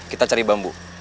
kita cari bambu